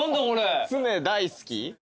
常大好き？